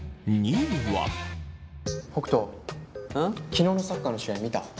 昨日のサッカーの試合見た？